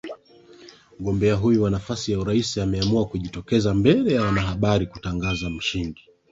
mgombea huyo wa nafasi urais ameamua kujitokeza mbele wanahabari na kujitangaza mshindi